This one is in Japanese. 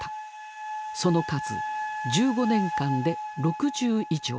その数１５年間で６０以上。